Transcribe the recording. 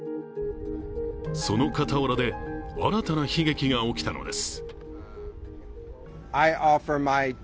その傍らで新たな悲劇が起きたのです。